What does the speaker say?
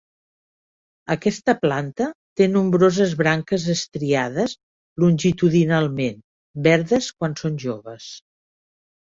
Aquesta planta té nombroses branques estriades longitudinalment, verdes quan són joves.